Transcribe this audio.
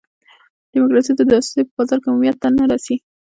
ډیموکراسي د جاسوسۍ په بازار کې عمومیت ته نه رسي.